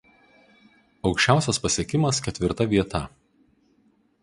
Aukščiausias pasiekimas ketvirta vieta.